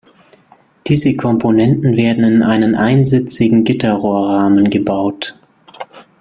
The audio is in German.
Diese Komponenten werden in einen einsitzigen Gitterrohrrahmen gebaut.